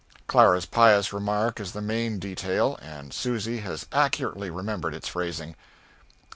Clara's pious remark is the main detail, and Susy has accurately remembered its phrasing.